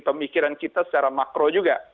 pemikiran kita secara makro juga